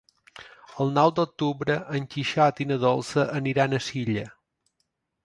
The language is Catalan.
El nou d'octubre en Quixot i na Dolça aniran a Silla.